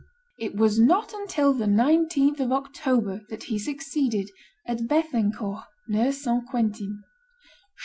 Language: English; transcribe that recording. It was not until the 19th of October that he succeeded, at Bethencourt, near St. Quentin.